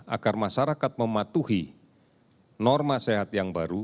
agar masyarakat mematuhi norma sehat yang baru